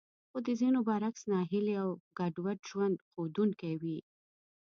خو د ځينو برعکس ناهيلي او ګډوډ ژوند ښودونکې وې.